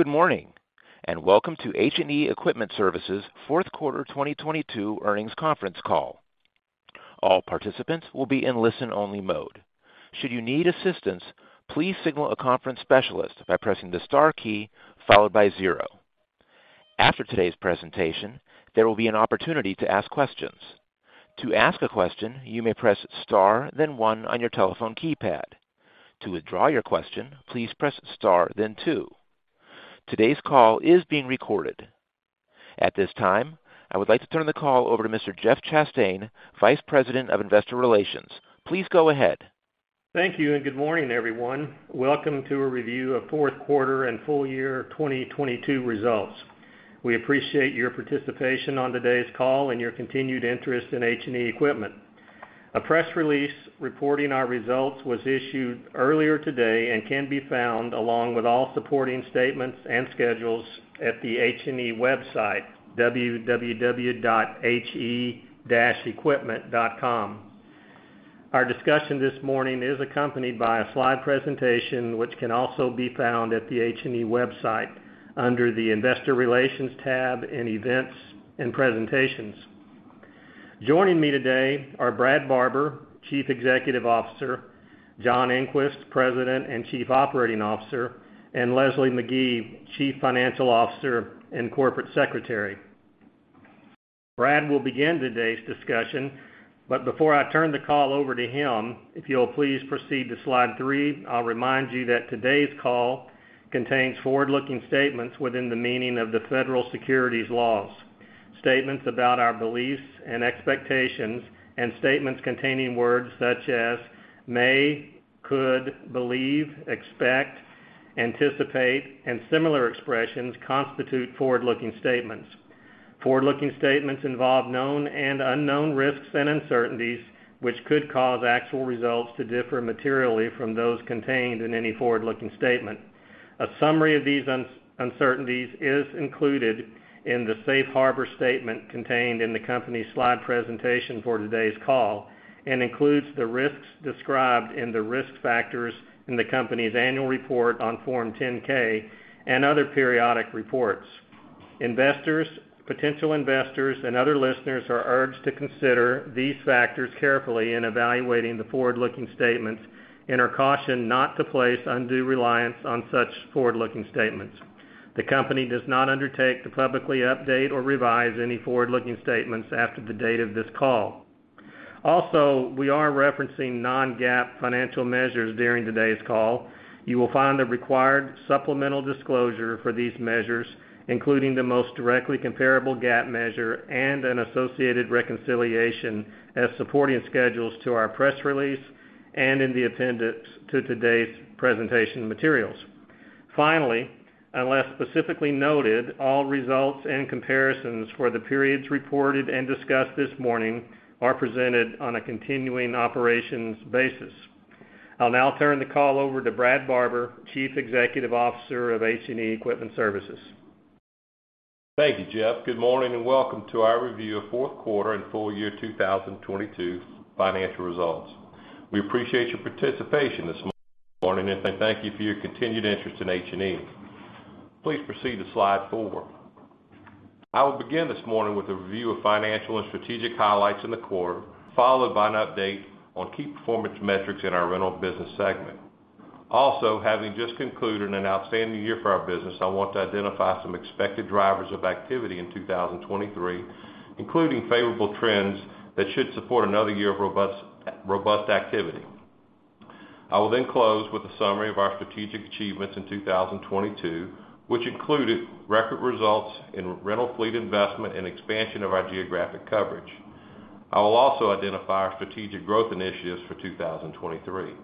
Good morning, and Welcome to H&E Equipment Services Fourth Quarter 2022 Earnings Conference Call. All participants will be in listen-only mode. Should you need assistance, please signal a conference specialist by pressing the star key followed by 0. After today's presentation, there will be an opportunity to ask questions. To ask a question, you may press star then one on your telephone keypad. To withdraw your question, please press star then two. Today's call is being recorded. At this time, I would like to turn the call over to Mr. Jeff Chastain, Vice President of Investor Relations. Please go ahead. Thank you. Good morning, everyone. Welcome to a review of Fourth Quarter and Full Year 2022 results. We appreciate your participation on today's call and your continued interest in H&E Equipment Services. A press release reporting our results was issued earlier today and can be found along with all supporting statements and schedules at the H&E website, www.he-equipment.com. Our discussion this morning is accompanied by a slide presentation, which can also be found at the H&E website under the Investor Relations tab in Events and Presentations. Joining me today are Brad Barber, Chief Executive Officer, John Engquist, President and Chief Operating Officer, and Leslie Magee, Chief Financial Officer and Corporate Secretary. Brad will begin today's discussion. Before I turn the call over to him, if you'll please proceed to slide three, I'll remind you that today's call contains forward-looking statements within the meaning of the federal securities laws. Statements about our beliefs and expectations and statements containing words such as may, could, believe, expect, anticipate, and similar expressions constitute forward-looking statements. Forward-looking statements involve known and unknown risks and uncertainties, which could cause actual results to differ materially from those contained in any forward-looking statement. A summary of these uncertainties is included in the safe harbor statement contained in the company's slide presentation for today's call and includes the risks described in the risk factors in the company's annual report on Form 10-K and other periodic reports. Investors, potential investors and other listeners are urged to consider these factors carefully in evaluating the forward-looking statements and are cautioned not to place undue reliance on such forward-looking statements. The company does not undertake to publicly update or revise any forward-looking statements after the date of this call. Also, we are referencing non-GAAP financial measures during today's call. You will find the required supplemental disclosure for these measures, including the most directly comparable GAAP measure and an associated reconciliation as supporting schedules to our press release and in the appendix to today's presentation materials. Unless specifically noted, all results and comparisons for the periods reported and discussed this morning are presented on a continuing operations basis. I'll now turn the call over to Brad Barber, Chief Executive Officer of H&E Equipment Services. Thank you, Jeff. Good morning and Welcome to our Review of Fourth Quarter and Full Year 2022 financial results. We appreciate your participation this morning. Thank you for your continued interest in H&E. Please proceed to slide four. I will begin this morning with a review of financial and strategic highlights in the quarter, followed by an update on key performance metrics in our rental business segment. Having just concluded an outstanding year for our business, I want to identify some expected drivers of activity in 2023, including favorable trends that should support another year of robust activity. I will close with a summary of our strategic achievements in 2022, which included record results in rental fleet investment and expansion of our geographic coverage. I will also identify our strategic growth initiatives for 2023.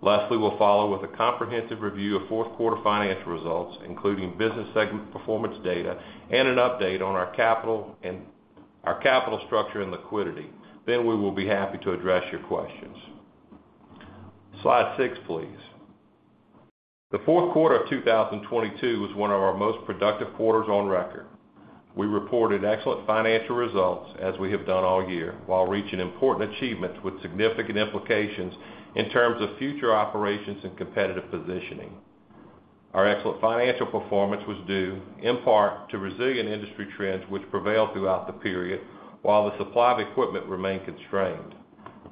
Leslie will follow with a comprehensive review of fourth quarter financial results, including business segment performance data and an update on our capital structure and liquidity. We will be happy to address your questions. Slide six, please. The fourth quarter of 2022 was one of our most productive quarters on record. We reported excellent financial results, as we have done all year, while reaching important achievements with significant implications in terms of future operations and competitive positioning. Our excellent financial performance was due in part to resilient industry trends which prevailed throughout the period, while the supply of equipment remained constrained.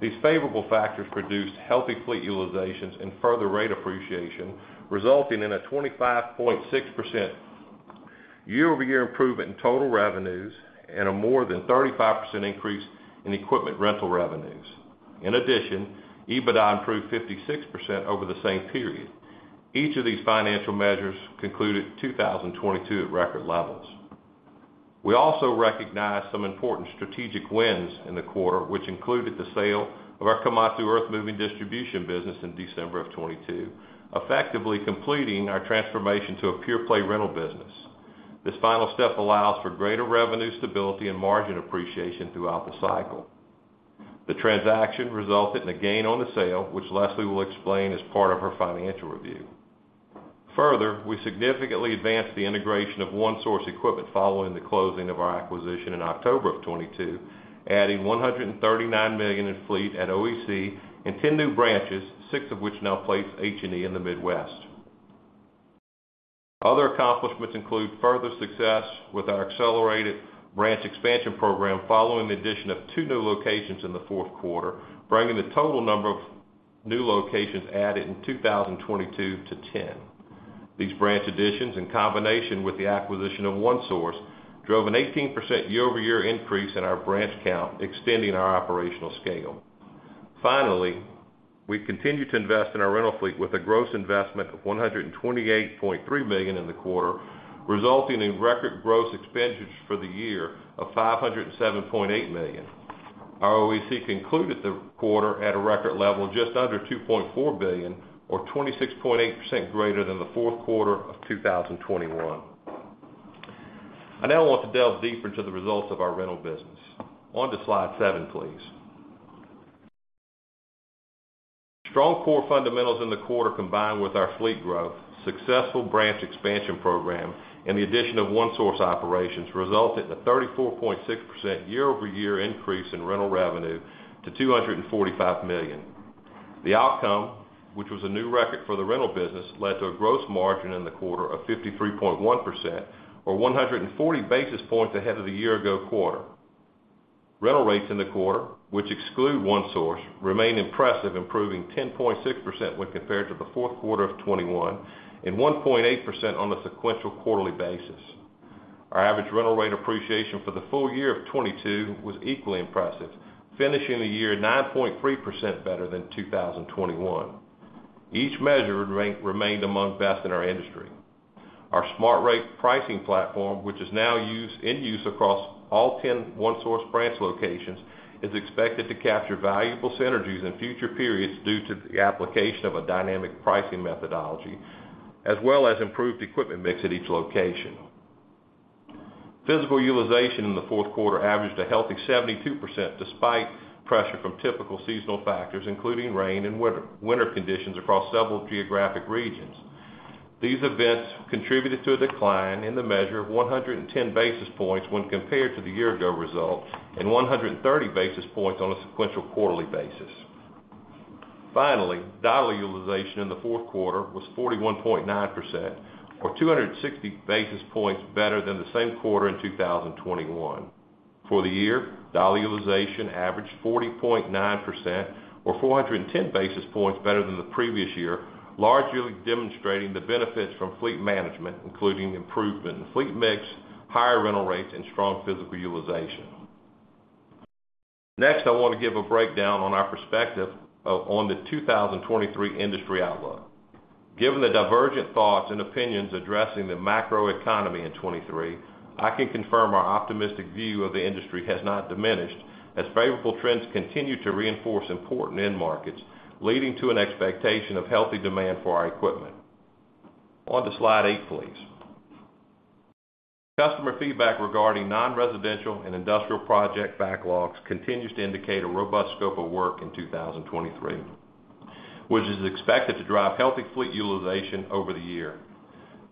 These favorable factors produced healthy fleet utilizations and further rate appreciation, resulting in a 25.6% year-over-year improvement in total revenues and a more than 35% increase in equipment rental revenues. EBITDA improved 56% over the same period. Each of these financial measures concluded 2022 at record levels. We also recognized some important strategic wins in the quarter, which included the sale of our Komatsu Earth Moving distribution business in December of 2022, effectively completing our transformation to a pure play rental business. This final step allows for greater revenue stability and margin appreciation throughout the cycle. The transaction resulted in a gain on the sale, which Leslie will explain as part of her financial review. We significantly advanced the integration of OneSource Equipment following the closing of our acquisition in October of 2022, adding $139 million in fleet at OEC and 10 new branches, six of which now place H&E in the Midwest. Other accomplishments include further success with our accelerated branch expansion program following the addition of two new locations in the fourth quarter, bringing the total number of new locations added in 2022 to 10. These branch additions, in combination with the acquisition of OneSource, drove an 18% year-over-year increase in our branch count, extending our operational scale. We continue to invest in our rental fleet with a gross investment of $128.3 million in the quarter, resulting in record gross expenditures for the year of $507.8 million. Our OEC concluded the quarter at a record level just under $2.4 billion or 26.8% greater than the fourth quarter of 2021. I now want to delve deeper into the results of our rental business. On to slide seven, please. Strong core fundamentals in the quarter, combined with our fleet growth, successful branch expansion program, and the addition of One Source operations, resulted in a 34.6% year-over-year increase in rental revenue to $245 million. The outcome, which was a new record for the rental business, led to a gross margin in the quarter of 53.1% or 140 basis points ahead of the year-ago quarter. Rental rates in the quarter, which exclude One Source, remained impressive, improving 10.6% when compared to the fourth quarter of 2021 and 1.8% on a sequential quarterly basis. Our average rental rate appreciation for the full year of 2022 was equally impressive, finishing the year 9.3% better than 2021. Each measure remained among best in our industry. Our SmartRATE pricing platform, which is now in use across all 10 One Source branch locations, is expected to capture valuable synergies in future periods due to the application of a dynamic pricing methodology as well as improved equipment mix at each location. Physical utilization in the fourth quarter averaged a healthy 72%, despite pressure from typical seasonal factors, including rain and winter conditions across several geographic regions. These events contributed to a decline in the measure of 110 basis points when compared to the year-ago result and 130 basis points on a sequential quarterly basis. Dollar utilization in the fourth quarter was 41.9% or 260 basis points better than the same quarter in 2021. For the year, dollar utilization averaged 40.9% or 410 basis points better than the previous year, largely demonstrating the benefits from fleet management, including improvement in fleet mix, higher rental rates, and strong physical utilization. I want to give a breakdown on our perspective on the 2023 industry outlook. Given the divergent thoughts and opinions addressing the macroeconomy in 2023, I can confirm our optimistic view of the industry has not diminished as favorable trends continue to reinforce important end markets, leading to an expectation of healthy demand for our equipment. On to slide eight, please. Customer feedback regarding non-residential and industrial project backlogs continues to indicate a robust scope of work in 2023, which is expected to drive healthy fleet utilization over the year.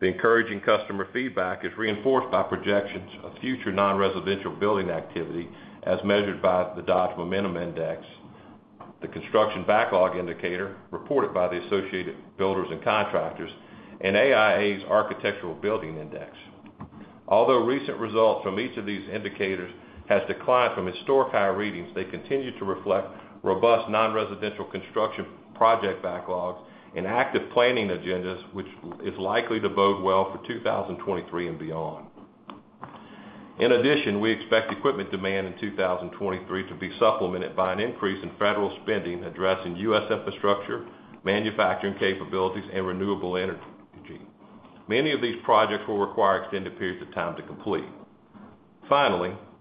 The encouraging customer feedback is reinforced by projections of future non-residential building activity as measured by the Dodge Momentum Index, the Construction Backlog Indicator reported by the Associated Builders and Contractors, and AIA's Architectural Billings Index. Although recent results from each of these indicators has declined from historic high readings, they continue to reflect robust non-residential construction project backlogs and active planning agendas, which is likely to bode well for 2023 and beyond. We expect equipment demand in 2023 to be supplemented by an increase in federal spending addressing U.S. infrastructure, manufacturing capabilities, and renewable energy. Many of these projects will require extended periods of time to complete.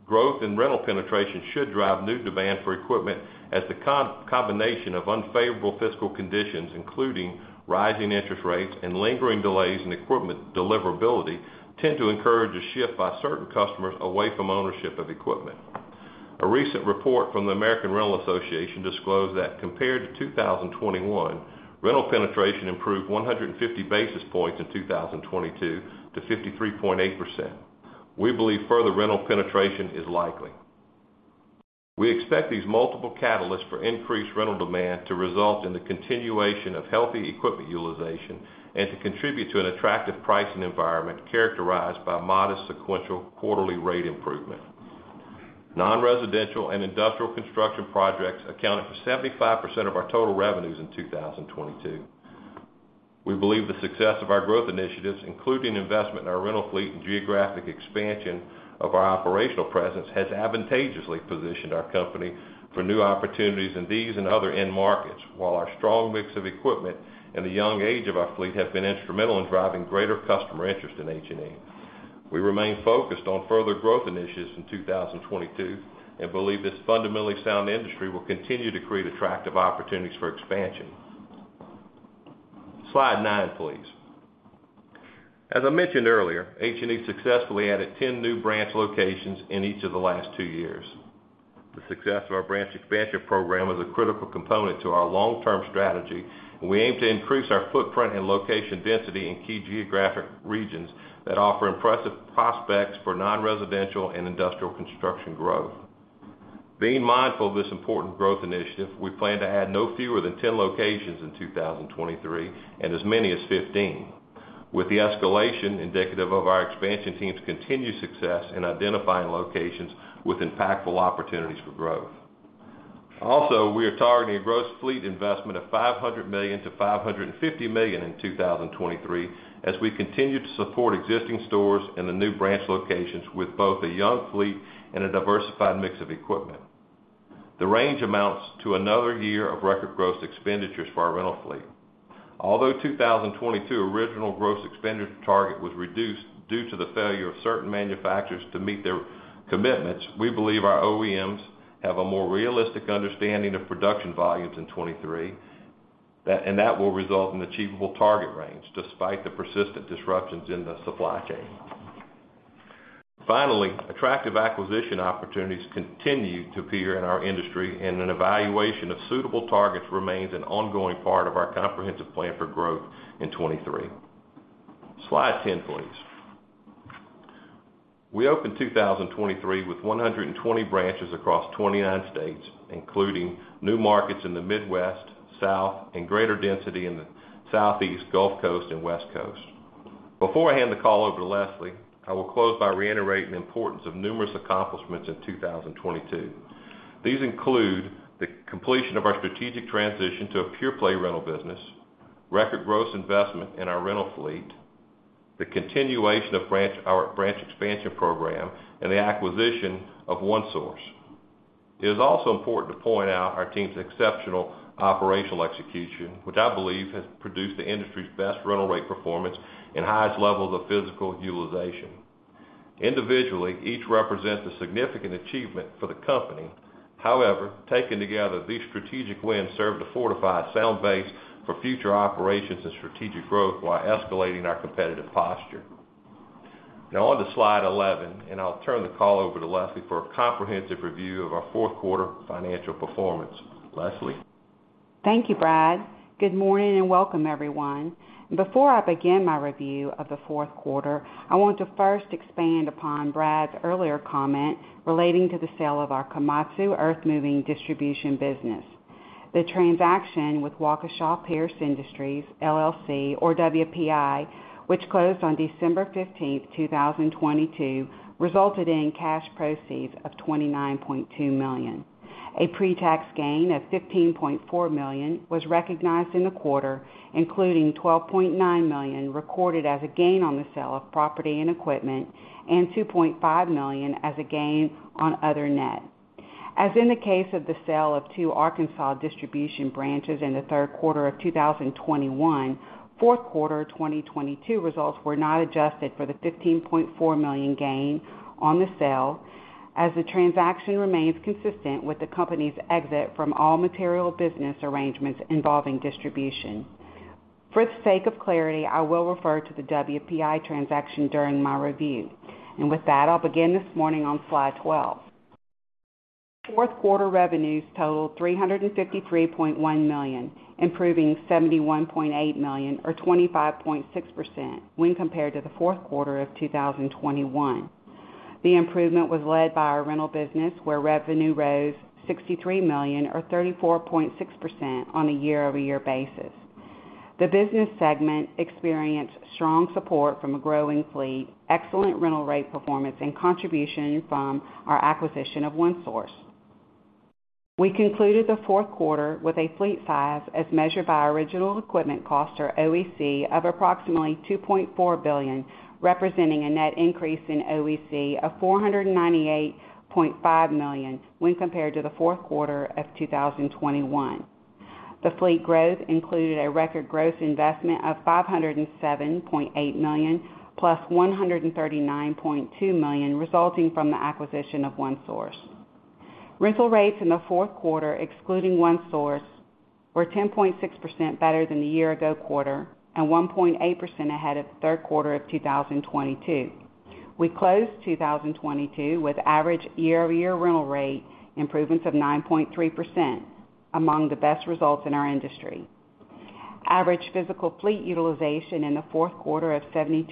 Growth in rental penetration should drive new demand for equipment as the combination of unfavorable fiscal conditions, including rising interest rates and lingering delays in equipment deliverability, tend to encourage a shift by certain customers away from ownership of equipment. A recent report from the American Rental Association disclosed that compared to 2021, rental penetration improved 150 basis points in 2022 to 53.8%. We believe further rental penetration is likely. We expect these multiple catalysts for increased rental demand to result in the continuation of healthy equipment utilization and to contribute to an attractive pricing environment characterized by modest sequential quarterly rate improvement. Non-residential and industrial construction projects accounted for 75% of our total revenues in 2022. We believe the success of our growth initiatives, including investment in our rental fleet and geographic expansion of our operational presence, has advantageously positioned our company for new opportunities in these and other end markets, while our strong mix of equipment and the young age of our fleet have been instrumental in driving greater customer interest in H&E. We remain focused on further growth initiatives in 2022 and believe this fundamentally sound industry will continue to create attractive opportunities for expansion. Slide nine, please. As I mentioned earlier, H&E successfully added 10 new branch locations in each of the last two years. The success of our branch expansion program is a critical component to our long-term strategy, and we aim to increase our footprint and location density in key geographic regions that offer impressive prospects for non-residential and industrial construction growth. Being mindful of this important growth initiative, we plan to add no fewer than 10 locations in 2023 and as many as 15, with the escalation indicative of our expansion team's continued success in identifying locations with impactful opportunities for growth. We are targeting a gross fleet investment of $500 million-$550 million in 2023 as we continue to support existing stores and the new branch locations with both a young fleet and a diversified mix of equipment. The range amounts to another year of record gross expenditures for our rental fleet. Although 2022 original gross expenditure target was reduced due to the failure of certain manufacturers to meet their commitments, we believe our OEMs have a more realistic understanding of production volumes in 2023, and that will result in achievable target range despite the persistent disruptions in the supply chain. Finally, attractive acquisition opportunities continue to appear in our industry, and an evaluation of suitable targets remains an ongoing part of our comprehensive plan for growth in 2023. Slide 10, please. We open 2023 with 120 branches across 29 states, including new markets in the Midwest, South, and greater density in the Southeast, Gulf Coast, and West Coast. Before I hand the call over to Leslie, I will close by reiterating the importance of numerous accomplishments in 2022. These include the completion of our strategic transition to a pure-play rental business, record gross investment in our rental fleet, our branch expansion program, and the acquisition of One Source. It is also important to point out our team's exceptional operational execution, which I believe has produced the industry's best rental rate performance and highest levels of physical utilization. Individually, each represents a significant achievement for the company. However, taken together, these strategic wins serve to fortify a sound base for future operations and strategic growth while escalating our competitive posture. Now on to slide 11, and I'll turn the call over to Leslie for a comprehensive review of our fourth quarter financial performance. Leslie? Thank you, Brad. Good morning, welcome everyone. Before I begin my review of the fourth quarter, I want to first expand upon Brad's earlier comment relating to the sale of our Komatsu Earth Moving distribution business. The transaction with Waukesha Pearce Industries, LLC or WPI, which closed on December 15th, 2022, resulted in cash proceeds of $29.2 million. A pretax gain of $15.4 million was recognized in the quarter, including $12.9 million recorded as a gain on the sale of property and equipment and $2.5 million as a gain on other net. As in the case of the sale of two Arkansas distribution branches in the third quarter of 2021, fourth quarter 2022 results were not adjusted for the $15.4 million gain on the sale as the transaction remains consistent with the company's exit from all material business arrangements involving distribution. For the sake of clarity, I will refer to the WPI transaction during my review. With that, I'll begin this morning on slide 12. Fourth quarter revenues totaled $353.1 million, improving $71.8 million or 25.6% when compared to the fourth quarter of 2021. The improvement was led by our rental business, where revenue rose $63 million or 34.6% on a year-over-year basis. The business segment experienced strong support from a growing fleet, excellent rental rate performance and contribution from our acquisition of One Source. We concluded the fourth quarter with a fleet size as measured by our original equipment cost or OEC of approximately $2.4 billion, representing a net increase in OEC of $498.5 million when compared to the fourth quarter of 2021. The fleet growth included a record gross investment of $507.8 million, plus $139.2 million resulting from the acquisition of One Source. Rental rates in the fourth quarter, excluding One Source, were 10.6% better than the year-ago quarter and 1.8% ahead of third quarter of 2022. We closed 2022 with average year-over-year rental rate improvements of 9.3%, among the best results in our industry. Average physical fleet utilization in the fourth quarter of 72%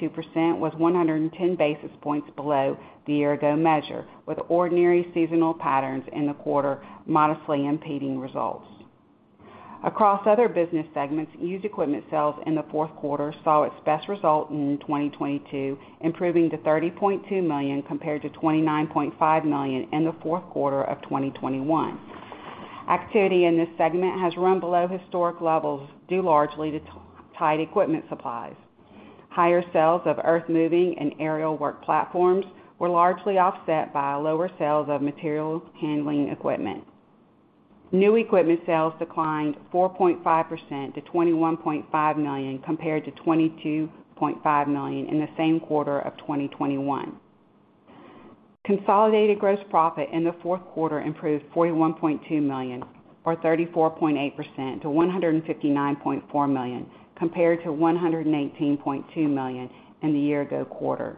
was 110 basis points below the year ago measure, with ordinary seasonal patterns in the quarter modestly impeding results. Across other business segments, used equipment sales in the fourth quarter saw its best result in 2022, improving to $30.2 million compared to $29.5 million in the fourth quarter of 2021. Activity in this segment has run below historic levels, due largely to tight equipment supplies. Higher sales of earth-moving and aerial work platforms were largely offset by lower sales of materials handling equipment. New equipment sales declined 4.5% to $21.5 million compared to $22.5 million in the same quarter of 2021. Consolidated gross profit in the fourth quarter improved $41.2 million or 34.8% to $159.4 million, compared to $118.2 million in the year ago quarter.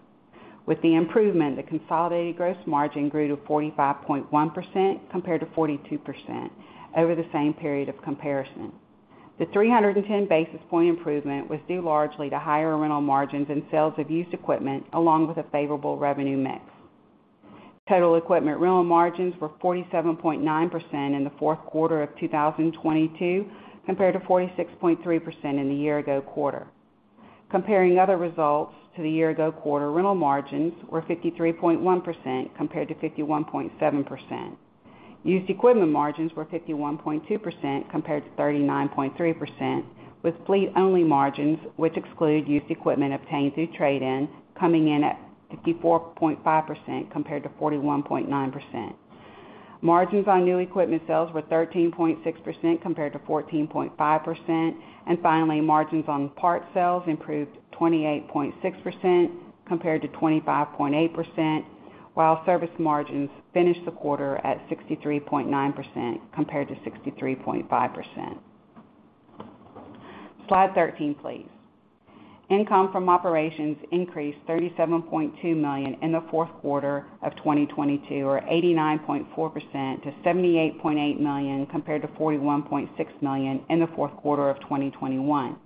With the improvement, the consolidated gross margin grew to 45.1% compared to 42% over the same period of comparison. The 310 basis point improvement was due largely to higher rental margins and sales of used equipment along with a favorable revenue mix. Total equipment rental margins were 47.9% in the fourth quarter of 2022, compared to 46.3% in the year ago quarter. Comparing other results to the year ago quarter, rental margins were 53.1% compared to 51.7%. Used equipment margins were 51.2% compared to 39.3%, with fleet-only margins, which exclude used equipment obtained through trade-ins, coming in at 54.5% compared to 41.9%. Margins on new equipment sales were 13.6% compared to 14.5%. Finally, margins on parts sales improved 28.6% compared to 25.8%, while service margins finished the quarter at 63.9% compared to 63.5%. Slide 13, please. Income from operations increased $37.2 million in the fourth quarter of 2022, or 89.4% to $78.8 million compared to $41.6 million in the fourth quarter of 2021.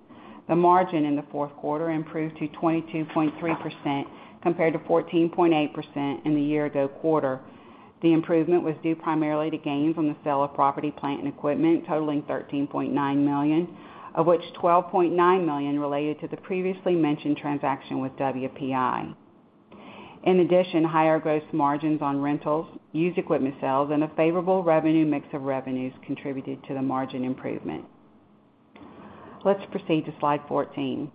The margin in the fourth quarter improved to 22.3% compared to 14.8% in the year-ago quarter. The improvement was due primarily to gains on the sale of property, plant, and equipment totaling $13.9 million, of which $12.9 million related to the previously mentioned transaction with WPI. Higher gross margins on rentals, used equipment sales, and a favorable revenue mix of revenues contributed to the margin improvement. Let's proceed to slide 14.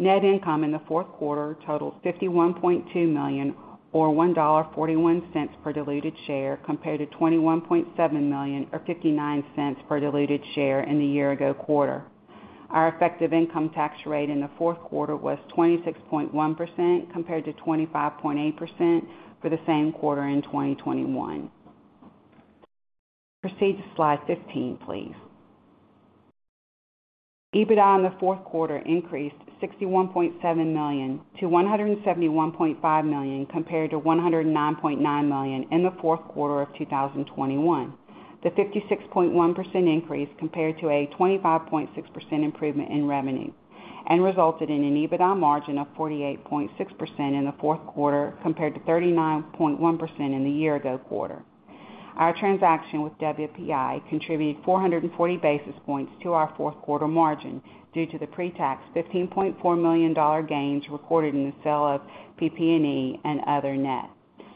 Net income in the fourth quarter totaled $51.2 million or $1.41 per diluted share, compared to $21.7 million or $0.59 per diluted share in the year-ago quarter. Our effective income tax rate in the fourth quarter was 26.1% compared to 25.8% for the same quarter in 2021. Proceed to slide 15, please. EBITDA in the fourth quarter increased $61.7 million to $171.5 million compared to $109.9 million in the fourth quarter of 2021. The 56.1% increase compared to a 25.6% improvement in revenue and resulted in an EBITDA margin of 48.6% in the fourth quarter compared to 39.1% in the year ago quarter. Our transaction with WPI contributed 440 basis points to our fourth quarter margin due to the pre-tax $15.4 million gains recorded in the sale of PP&E and other net.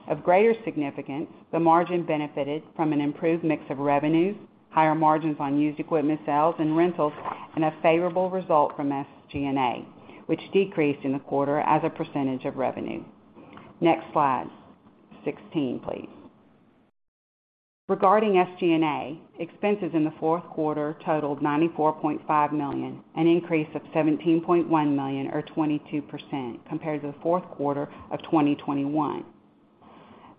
Of greater significance, the margin benefited from an improved mix of revenues, higher margins on used equipment sales and rentals, and a favorable result from SG&A, which decreased in the quarter as a percentage of revenue. Next slide, 16, please. Regarding SG&A, expenses in the fourth quarter totaled $94.5 million, an increase of $17.1 million or 22% compared to the fourth quarter of 2021.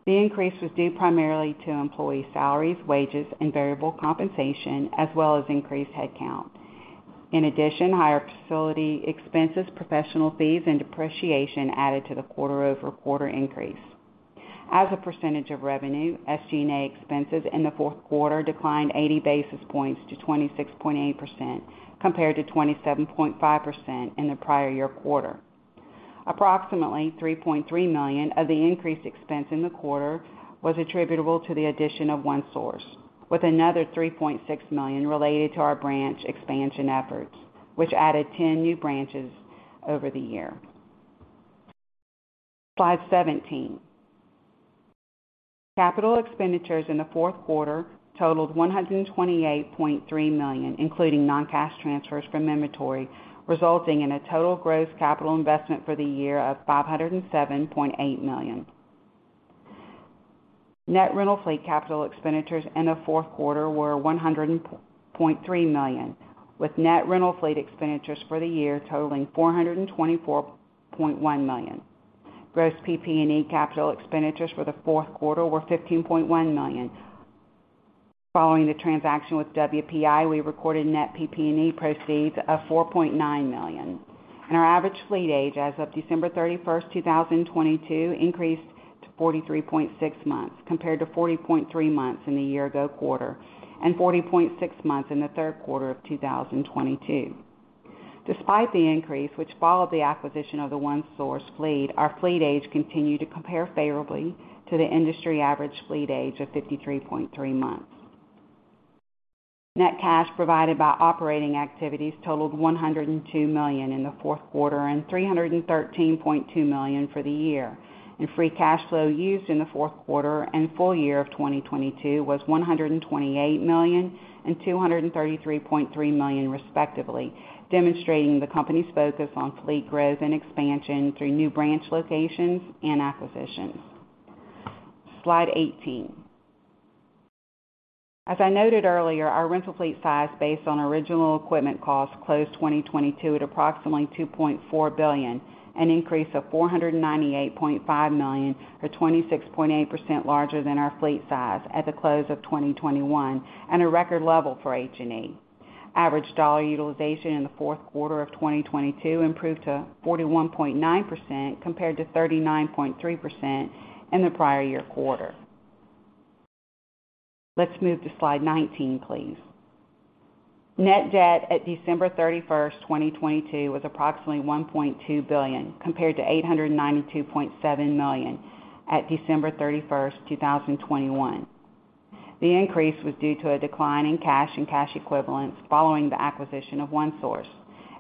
The increase was due primarily to employee salaries, wages, and variable compensation, as well as increased headcount. In addition, higher facility expenses, professional fees, and depreciation added to the quarter-over-quarter increase. As a percentage of revenue, SG&A expenses in the fourth quarter declined 80 basis points to 26.8% compared to 27.5% in the prior year quarter. Approximately $3.3 million of the increased expense in the quarter was attributable to the addition of One Source, with another $3.6 million related to our branch expansion efforts, which added 10 new branches over the year. Slide 17. Capital expenditures in the fourth quarter totaled $128.3 million, including non-cash transfers from inventory, resulting in a total gross capital investment for the year of $507.8 million. Net rental fleet capital expenditures in the fourth quarter were $100.3 million, with net rental fleet expenditures for the year totaling $424.1 million. Gross PP&E capital expenditures for the fourth quarter were $15.1 million. Following the transaction with WPI, we recorded net PP&E proceeds of $4.9 million. Our average fleet age as of December 31, 2022 increased to 43.6 months compared to 40.3 months in the year ago quarter and 40.6 months in the third quarter of 2022. Despite the increase, which followed the acquisition of the One Source fleet, our fleet age continued to compare favorably to the industry average fleet age of 53.3 months. Net cash provided by operating activities totaled $102 million in the fourth quarter and $313.2 million for the year, free cash flow used in the fourth quarter and full year of 2022 was $128 million and $233.3 million, respectively, demonstrating the company's focus on fleet growth and expansion through new branch locations and acquisitions. Slide 18. As I noted earlier, our rental fleet size based on original equipment cost closed 2022 at approximately $2.4 billion, an increase of $498.5 million or 26.8% larger than our fleet size at the close of 2021 and a record level for H&E. Average dollar utilization in the fourth quarter of 2022 improved to 41.9% compared to 39.3% in the prior year quarter. Let's move to slide 19, please. Net debt at December 31, 2022 was approximately $1.2 billion compared to $892.7 million at December 31, 2021. The increase was due to a decline in cash and cash equivalents following the acquisition of OneSource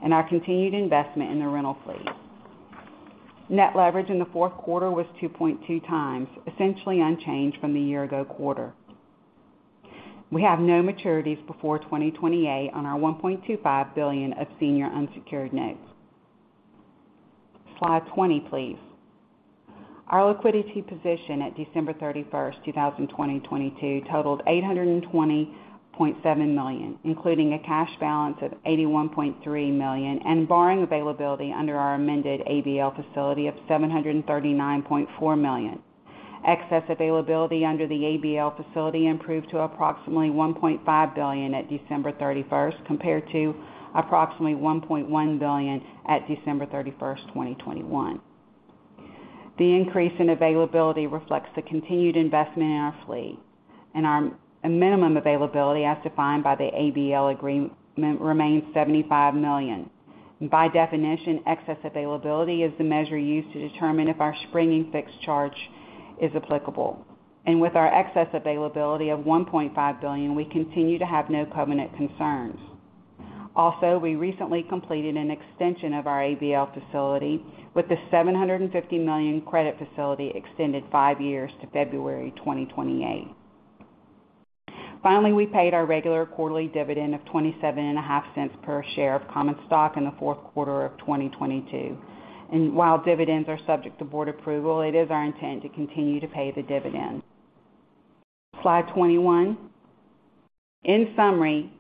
and our continued investment in the rental fleet. Net leverage in the fourth quarter was 2.2x, essentially unchanged from the year-ago quarter. We have no maturities before 2028 on our $1.25 billion of senior unsecured notes. Slide 20, please. Our liquidity position at December 31st, 2022 totaled $820.7 million, including a cash balance of $81.3 million and borrowing availability under our amended ABL facility of $739.4 million. Excess availability under the ABL facility improved to approximately $1.5 billion at December 31st, compared to approximately $1.1 billion at December 31st, 2021. The increase in availability reflects the continued investment in our fleet, our minimum availability as defined by the ABL agreement remains $75 million. By definition, excess availability is the measure used to determine if our springing fixed charge is applicable. With our excess availability of $1.5 billion, we continue to have no covenant concerns. We recently completed an extension of our ABL facility with the $750 million credit facility extended 5five years to February 2028. We paid our regular quarterly dividend of $0.275 per share of common stock in the fourth quarter of 2022. While dividends are subject to board approval, it is our intent to continue to pay the dividend. Slide 21. In summary,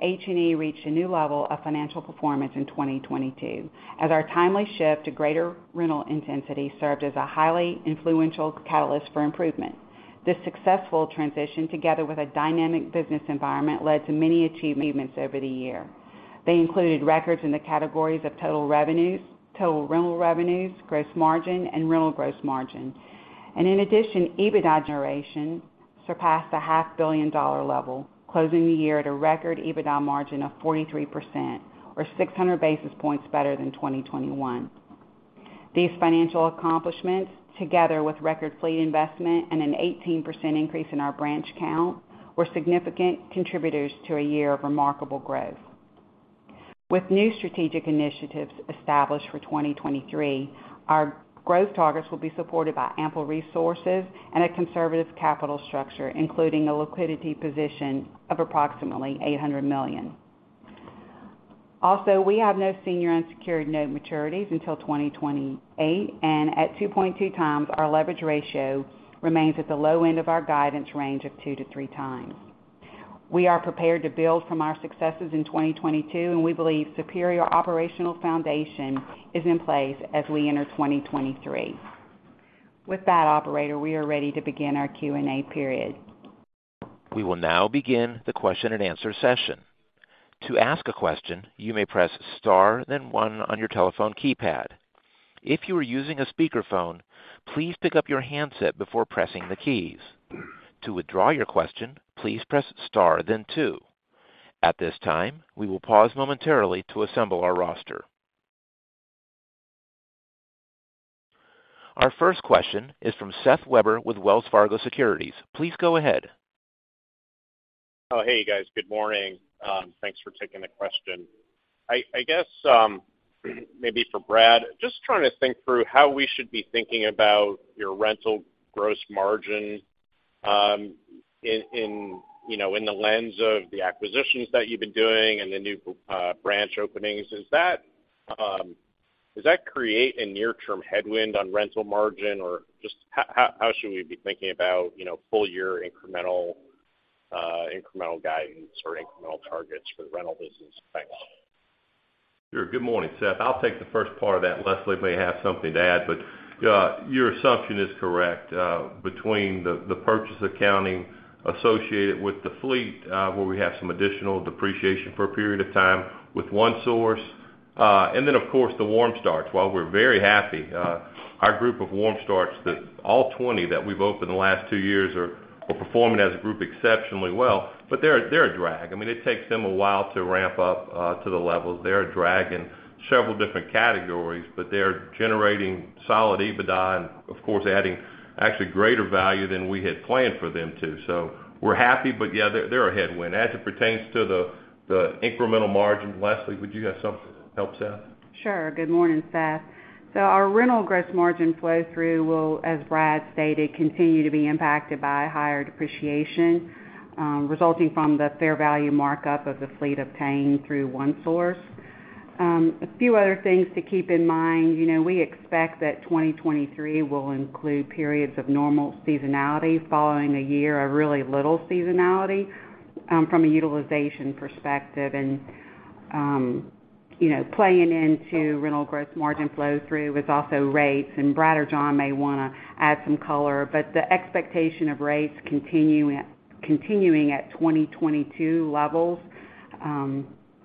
H&E reached a new level of financial performance in 2022 as our timely shift to greater rental intensity served as a highly influential catalyst for improvement. This successful transition, together with a dynamic business environment, led to many achievements over the year. They included records in the categories of total revenues, total rental revenues, gross margin, and rental gross margin. In addition, EBITDA generation surpassed the half billion dollar level, closing the year at a record EBITDA margin of 43% or 600 basis points better than 2021. These financial accomplishments, together with record fleet investment and an 18% increase in our branch count, were significant contributors to a year of remarkable growth. With new strategic initiatives established for 2023, our growth targets will be supported by ample resources and a conservative capital structure, including a liquidity position of approximately $800 million. We have no senior unsecured note maturities until 2028, and at 2.2x, our leverage ratio remains at the low end of our guidance range of 2x-3x. We are prepared to build from our successes in 2022. We believe superior operational foundation is in place as we enter 2023. With that, operator, we are ready to begin our Q and A period. We will now begin the question and answer session. To ask a question, you may press star then one on your telephone keypad. If you are using a speakerphone, please pick up your handset before pressing the keys. To withdraw your question, please press star then two. At this time, we will pause momentarily to assemble our roster. Our first question is from Seth Weber with Wells Fargo Securities. Please go ahead. Hey, guys. Good morning. Thanks for taking the question. I guess, maybe for Brad, just trying to think through how we should be thinking about your rental gross margin, in, you know, in the lens of the acquisitions that you've been doing and the new branch openings. Is that, does that create a near-term headwind on rental margin? Just how should we be thinking about, you know, full year incremental guidance or incremental targets for the rental business going on? Sure. Good morning, Seth. I'll take the first part of that. Leslie may have something to add, but your assumption is correct. Between the purchase accounting associated with the fleet, where we have some additional depreciation for a period of time with One Source, and then, of course, the warm starts. While we're very happy, our group of warm starts, the all 20 that we've opened in the last two years are performing as a group exceptionally well, but they're a drag. I mean, it takes them a while to ramp up to the levels. They're a drag in several different categories, but they're generating solid EBITDA and, of course, adding actually greater value than we had planned for them to. We're happy, but yeah, they're a headwind. As it pertains to the incremental margin, Leslie, would you have some help, Seth? Sure. Good morning, Seth. Our rental gross margin flow through will, as Brad stated, continue to be impacted by higher depreciation, resulting from the fair value markup of the fleet obtained through One Source. A few other things to keep in mind. You know, we expect that 2023 will include periods of normal seasonality following a year of really little seasonality, from a utilization perspective. You know, playing into rental gross margin flow through is also rates, and Brad or John may wanna add some color, but the expectation of rates continuing at 2022 levels,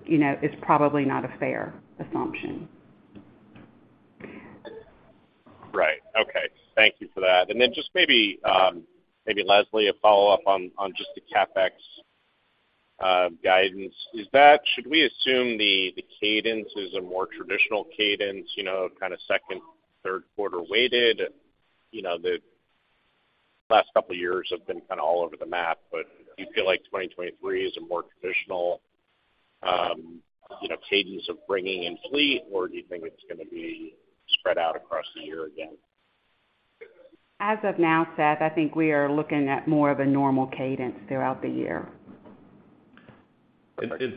you know, is probably not a fair assumption. Right. Okay. Thank you for that. Just maybe Leslie, a follow-up on just the CapEx guidance. Should we assume the cadence is a more traditional cadence, you know, kinda second, third quarter weighted? You know, the last couple years have been kinda all over the map. Do you feel like 2023 is a more traditional, you know, cadence of bringing in fleet, or do you think it's gonna be spread out across the year again? As of now, Seth, I think we are looking at more of a normal cadence throughout the year.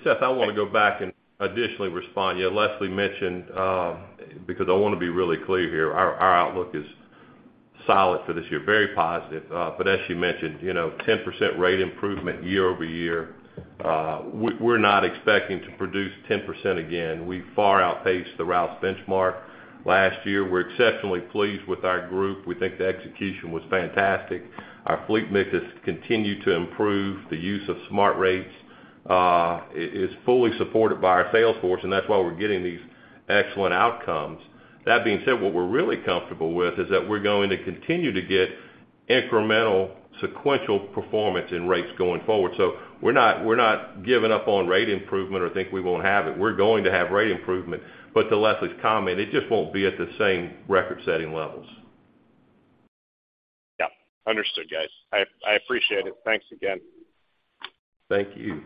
Seth, I want to go back and additionally respond. Leslie mentioned, because I want to be really clear here, our outlook is solid for this year, very positive. But as she mentioned, you know, 10% rate improvement year-over-year, we are not expecting to produce 10% again. We far outpaced the Rouse benchmark last year. We are exceptionally pleased with our group. We think the execution was fantastic. Our fleet mix has continued to improve. The use of SmartRATE is fully supported by our sales force, and that is why we are getting these excellent outcomes. That being said, what we are really comfortable with is that we are going to continue to get incremental sequential performance in rates going forward. We are not giving up on rate improvement or think we won't have it. We are going to have rate improvement. To Leslie's comment, it just won't be at the same record-setting levels. Yeah. Understood, guys. I appreciate it. Thanks again. Thank you.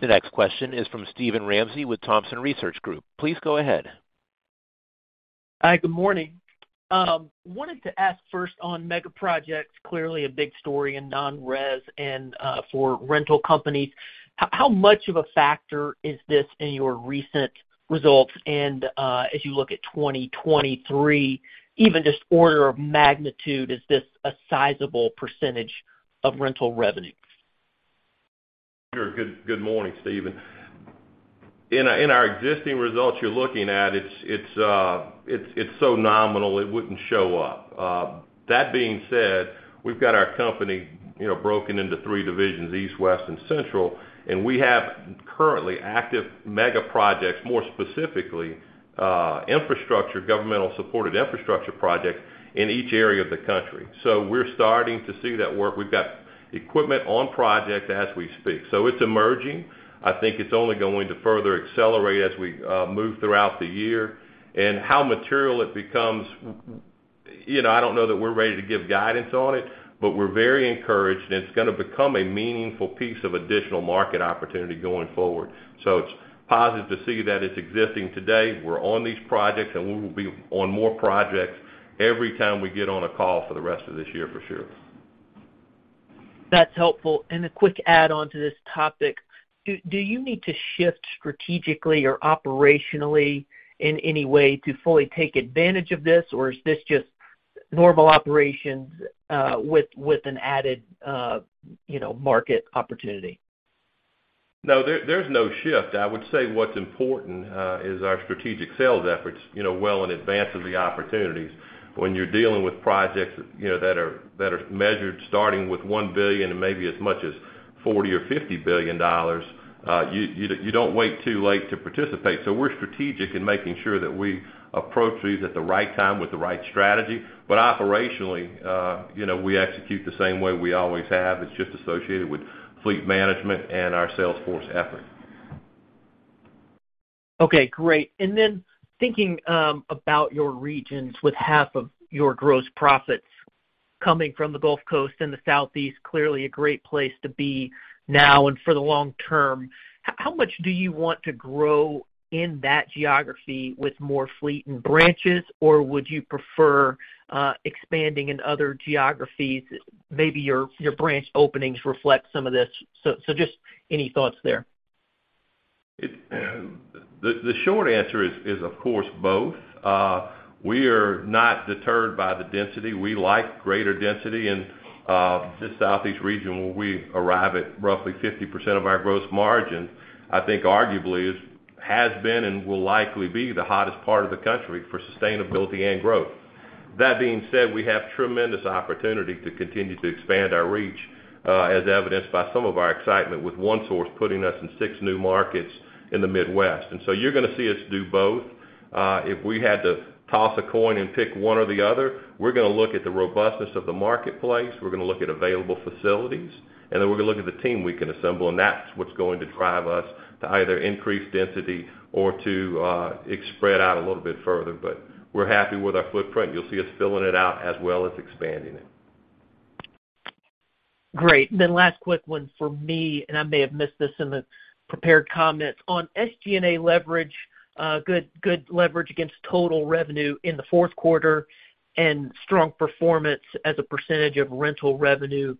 The next question is from Steven Ramsey with Thompson Research Group. Please go ahead. Hi. Good morning. wanted to ask first on mega projects, clearly a big story in non-res and for rental companies. How much of a factor is this in your recent results? As you look at 2023, even just order of magnitude, is this a sizable percentage of rental revenue? Sure. Good morning, Steven. In our existing results you're looking at, it's so nominal, it wouldn't show up. That being said, we've got our company, you know, broken into three divisions, East, West, and Central, and we have currently active mega projects, more specifically, infrastructure, governmental supported infrastructure projects in each area of the country. We're starting to see that work. We've got equipment on project as we speak. It's emerging. I think it's only going to further accelerate as we move throughout the year. How material it becomes, you know, I don't know that we're ready to give guidance on it, but we're very encouraged, and it's gonna become a meaningful piece of additional market opportunity going forward. It's positive to see that it's existing today. We're on these projects, and we will be on more projects every time we get on a call for the rest of this year, for sure. That's helpful. A quick add-on to this topic. Do you need to shift strategically or operationally in any way to fully take advantage of this, or is this just normal operations, with an added, you know, market opportunity? No. There's no shift. I would say what's important, you know, is our strategic sales efforts, well in advance of the opportunities. When you're dealing with projects, you know, that are measured starting with $1 billion and maybe as much as $40 billion or $50 billion, you don't wait too late to participate. We're strategic in making sure that we approach these at the right time with the right strategy. Operationally, you know, we execute the same way we always have. It's just associated with fleet management and our sales force effort. Okay. Great. Then thinking, about your regions with half of your gross profits coming from the Gulf Coast and the Southeast, clearly a great place to be now and for the long term, how much do you want to grow in that geography with more fleet and branches, or would you prefer, expanding in other geographies? Maybe your branch openings reflect some of this. Just any thoughts there? The short answer is, of course, both. We are not deterred by the density. We like greater density. This Southeast region where we arrive at roughly 50% of our gross margin, I think arguably has been and will likely be the hottest part of the country for sustainability and growth. That being said, we have tremendous opportunity to continue to expand our reach, as evidenced by some of our excitement with One Source putting us in 6 new markets in the Midwest. You're gonna see us do both. If we had to toss a coin and pick one or the other, we're gonna look at the robustness of the marketplace, we're gonna look at available facilities, and then we're gonna look at the team we can assemble, and that's what's going to drive us to either increase density or to spread out a little bit further. We're happy with our footprint. You'll see us filling it out as well as expanding it. Great. Last quick one for me, and I may have missed this in the prepared comments. On SG&A leverage, good leverage against total revenue in the fourth quarter and strong performance as a percentage of rental revenue,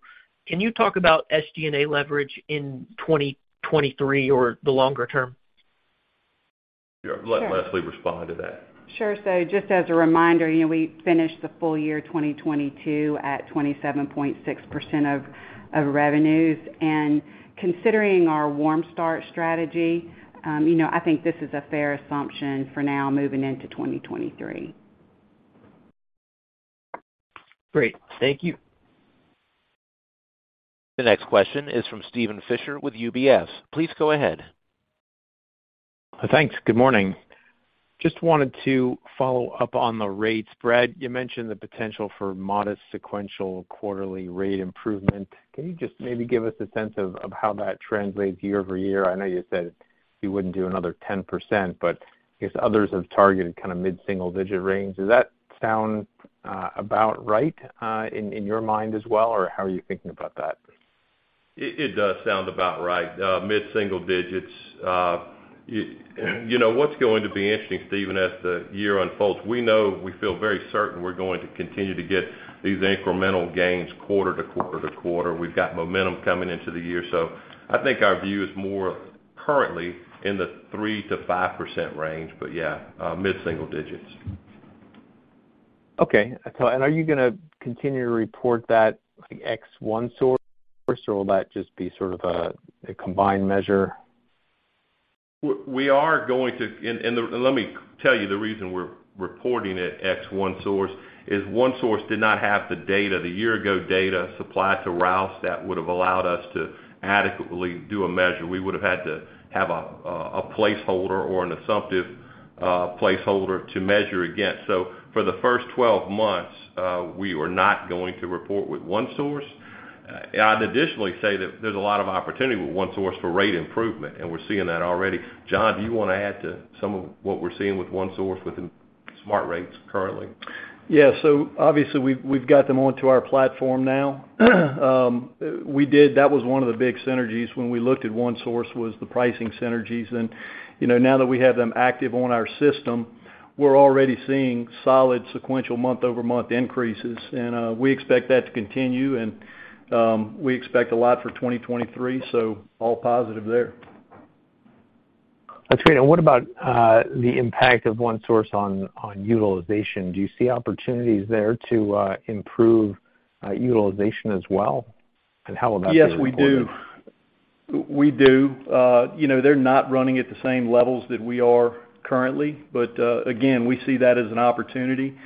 can you talk about SG&A leverage in 2023 or the longer term? Sure. Let Leslie respond to that. Sure. Just as a reminder, you know, we finished the full year 2022 at 27.6% of revenues. Considering our warm start strategy, you know, I think this is a fair assumption for now moving into 2023. Great. Thank you. The next question is from Steven Fisher with UBS. Please go ahead. Thanks. Good morning. Just wanted to follow up on the rates. Brad, you mentioned the potential for modest sequential quarterly rate improvement. Can you just maybe give us a sense of how that translates year-over-year? I know you said you wouldn't do another 10%, I guess others have targeted kind of mid-single-digit range. Does that sound about right in your mind as well, or how are you thinking about that? It does sound about right, mid-single digits. You know, what's going to be interesting, Steven, as the year unfolds, we know we feel very certain we're going to continue to get these incremental gains quarter to quarter to quarter. We've got momentum coming into the year. I think our view is more currently in the 3%-5% range, but yeah, mid-single digits. Are you gonna continue to report that like ex One Source, or will that just be sort of a combined measure? We are going to... let me tell you, the reason we're reporting it ex One Source is One Source did not have the data, the year ago data supplied to Rouse that would've allowed us to adequately do a measure. We would've had to have a placeholder or an assumptive placeholder to measure against. So for the first 12 months, we were not going to report with One Source. I'd additionally say that there's a lot of opportunity with One Source for rate improvement, and we're seeing that already. John, do you wanna add to some of what we're seeing with One Source with the SmartRATE currently? Yeah. Obviously we've got them onto our platform now. We did, that was one of the big synergies when we looked at One Source, was the pricing synergies. You know, now that we have them active on our system, we're already seeing solid sequential month-over-month increases. We expect that to continue, and we expect a lot for 2023, all positive there. That's great. What about the impact of OneSource on utilization? Do you see opportunities there to improve utilization as well, and how will that be reported? Yes, we do. We do. You know, they're not running at the same levels that we are currently. Again, we see that as an opportunity,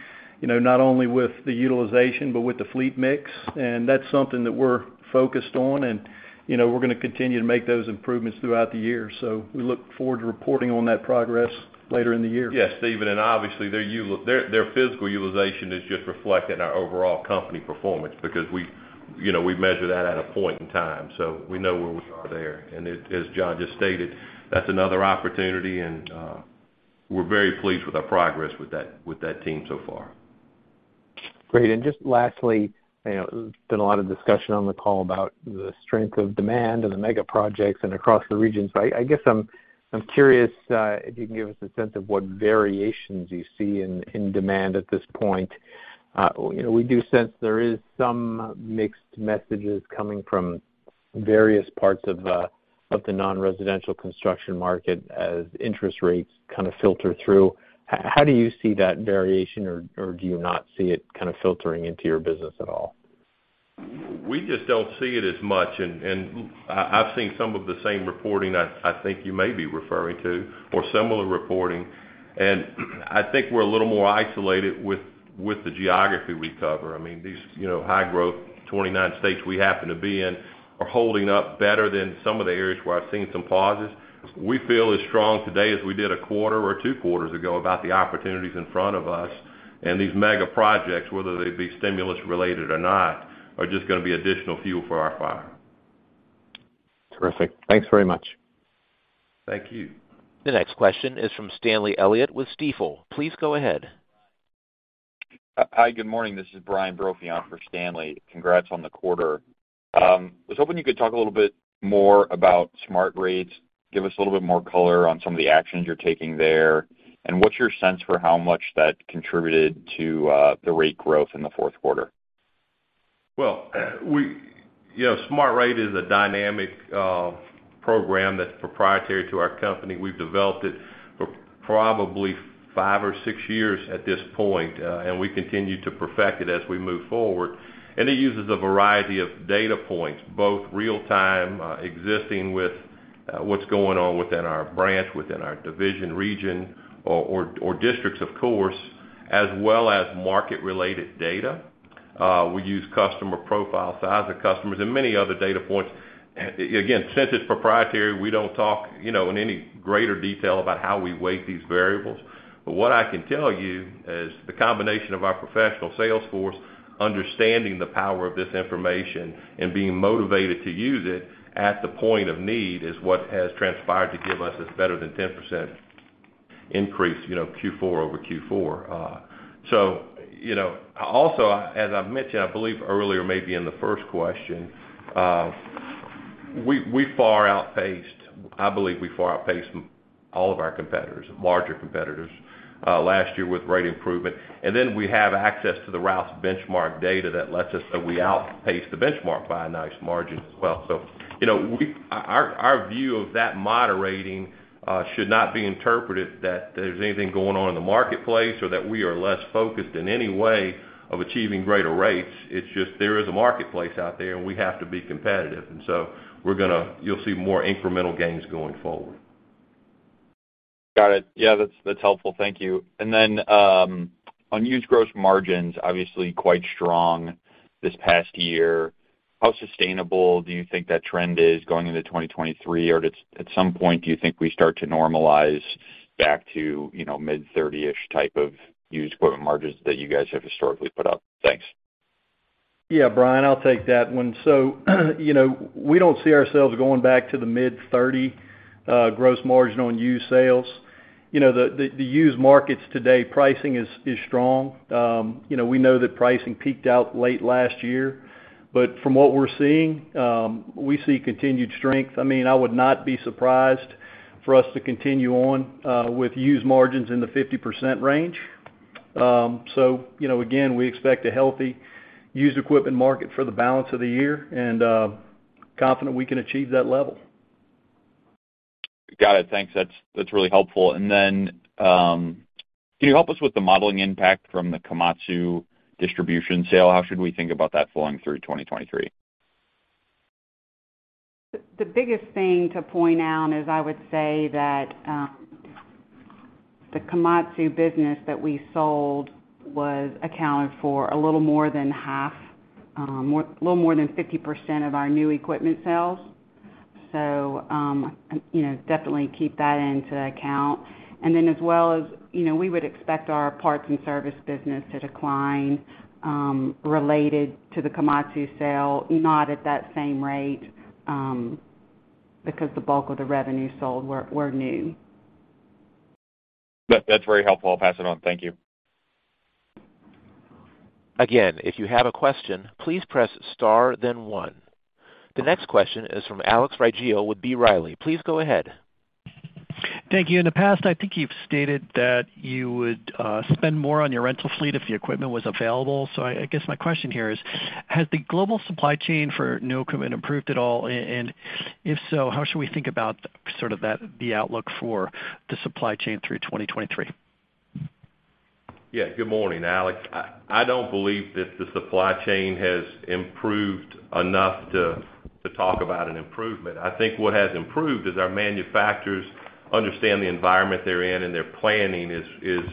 you know, not only with the utilization, but with the fleet mix. That's something that we're focused on. You know, we're gonna continue to make those improvements throughout the year. We look forward to reporting on that progress later in the year. Obviously, their physical utilization is just reflecting our overall company performance because we, you know, we measure that at a point in time, so we know where we are there. As John just stated, that's another opportunity, and we're very pleased with our progress with that team so far. Great. Just lastly, you know, there's been a lot of discussion on the call about the strength of demand and the mega projects and across the regions. I guess I'm curious, if you can give us a sense of what variations you see in demand at this point. You know, we do sense there is some mixed messages coming from various parts of the non-residential construction market as interest rates kind of filter through. How do you see that variation or do you not see it kind of filtering into your business at all? We just don't see it as much and, I've seen some of the same reporting I think you may be referring to or similar reporting, and I think we're a little more isolated with the geography we cover. I mean, these, you know, high growth 29 states we happen to be in are holding up better than some of the areas where I've seen some pauses. We feel as strong today as we did a quarter or two quarters ago about the opportunities in front of us. These mega projects, whether they be stimulus related or not, are just gonna be additional fuel for our fire. Terrific. Thanks very much. Thank you. The next question is from Stanley Elliott with Stifel. Please go ahead. Hi, good morning. This is Brian Brophy on for Stanley. Congrats on the quarter. I was hoping you could talk a little bit more about SmartRATE. Give us a little bit more color on some of the actions you're taking there. What's your sense for how much that contributed to the rate growth in the fourth quarter? Well, you know, SmartRATE is a dynamic program that's proprietary to our company. We've developed it for probably five or six years at this point, and we continue to perfect it as we move forward. It uses a variety of data points, both real-time, existing with what's going on within our branch, within our division, region, or districts, of course, as well as market related data. We use customer profile, size of customers, and many other data points. Again, since it's proprietary, we don't talk, you know, in any greater detail about how we weight these variables. What I can tell you is the combination of our professional sales force, understanding the power of this information and being motivated to use it at the point of need, is what has transpired to give us this better than 10% increase, you know, Q4 over Q4. Also, as I've mentioned, I believe earlier, maybe in the first question, we far outpaced, I believe we far outpaced all of our competitors, larger competitors, last year with rate improvement. We have access to the Rouse benchmark data that lets us know we outpaced the benchmark by a nice margin as well. Our view of that moderating should not be interpreted that there's anything going on in the marketplace or that we are less focused in any way of achieving greater rates. It's just there is a marketplace out there. We have to be competitive. We're going to. You'll see more incremental gains going forward. Got it. Yeah, that's helpful. Thank you. On used gross margins, obviously quite strong this past year. How sustainable do you think that trend is going into 2023 or at some point do you think we start to normalize back to, you know, mid-30-ish type of used equipment margins that you guys have historically put up? Thanks. Yeah, Brian, I'll take that one. You know, we don't see ourselves going back to the mid-30 gross margin on used sales. You know, the used markets today, pricing is strong. You know, we know that pricing peaked out late last year, but from what we're seeing, we see continued strength. I mean, I would not be surprised for us to continue on with used margins in the 50% range. You know, again, we expect a healthy used equipment market for the balance of the year and confident we can achieve that level. Got it. Thanks. That's really helpful. Then, can you help us with the modeling impact from the Komatsu distribution sale? How should we think about that flowing through 2023? The biggest thing to point out is I would say that the Komatsu business that we sold was accounted for a little more than half, a little more than 50% of our new equipment sales. You know, definitely keep that into account. As well as, you know, we would expect our parts and service business to decline related to the Komatsu sale, not at that same rate because the bulk of the revenue sold were new. That's very helpful. I'll pass it on. Thank you. Again, if you have a question, please press star then one. The next question is from Alex Riggio with B. Riley. Please go ahead. Thank you. In the past, I think you've stated that you would spend more on your rental fleet if the equipment was available. I guess my question here is, has the global supply chain for new equipment improved at all? And if so, how should we think about sort of that, the outlook for the supply chain through 2023? Yeah. Good morning, Alex. I don't believe that the supply chain has improved enough to talk about an improvement. I think what has improved is our manufacturers understand the environment they're in and their planning is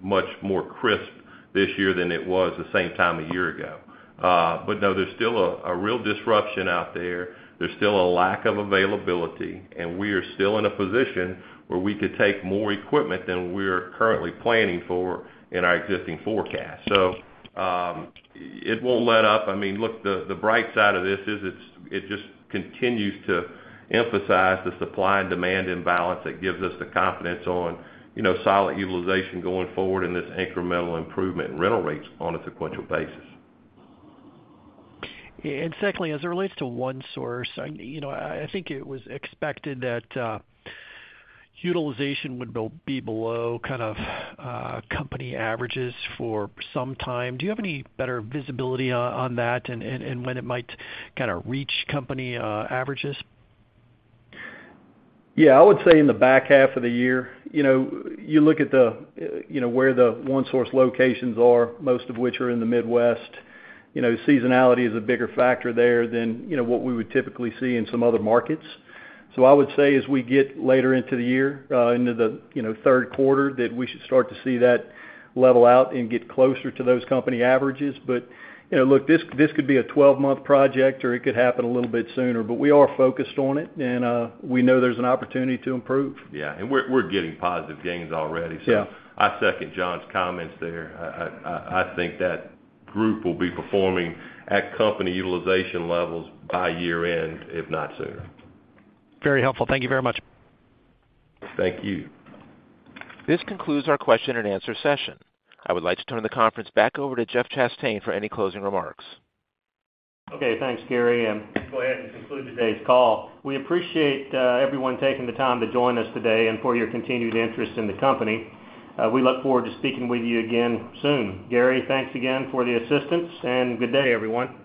much more crisp this year than it was the same time a year ago. No, there's still a real disruption out there. There's still a lack of availability, and we are still in a position where we could take more equipment than we're currently planning for in our existing forecast. It won't let up. I mean, look, the bright side of this is it just continues to emphasize the supply and demand imbalance that gives us the confidence on, you know, solid utilization going forward in this incremental improvement in rental rates on a sequential basis. Secondly, as it relates to OneSource, you know, I think it was expected that utilization would be below kind of company averages for some time. Do you have any better visibility on that and when it might kinda reach company averages? Yeah. I would say in the back half of the year. You know, you look at the, you know, where the One Source locations are, most of which are in the Midwest, you know, seasonality is a bigger factor there than, you know, what we would typically see in some other markets. I would say as we get later into the year, into the, you know, third quarter, that we should start to see that level out and get closer to those company averages. You know, look, this could be a 12-month project or it could happen a little bit sooner, but we are focused on it and we know there's an opportunity to improve. Yeah. We're getting positive gains already. Yeah. I second John's comments there. I think that group will be performing at company utilization levels by year end, if not sooner. Very helpful. Thank you very much. Thank you. This concludes our question and answer session. I would like to turn the conference back over to Jeff Chastain for any closing remarks. Okay. Thanks, Gary. Go ahead and conclude today's call. We appreciate everyone taking the time to join us today and for your continued interest in the company. We look forward to speaking with you again soon. Gary, thanks again for the assistance, and good day, everyone.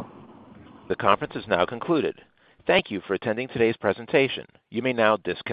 The conference is now concluded. Thank you for attending today's presentation. You may now disconnect.